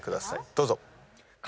どうぞ。